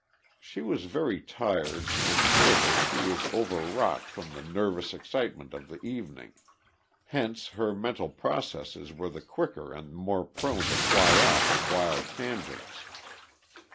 She was very tired and further she was overwrought from the nervous excitement of the evening; hence her mental processes were the quicker and more prone to fly off at wild tangents....